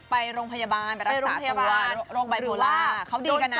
ไปโรงพยาบาลไปรักษาตัวโรคไบโพล่าเขาดีกันนะ